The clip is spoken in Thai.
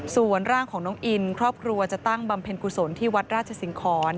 ส่วนร่างของน้องอินครอบครัวจะตั้งบำเพ็ญกุศลที่วัดราชสิงคร